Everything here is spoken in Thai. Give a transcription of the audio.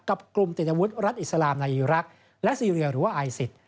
กับกลุ่มเตรียมนวุฒิรัฐอิสลามในอิรักและซีเรียหรือว่าอายศิษฐ์